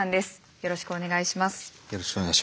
よろしくお願いします。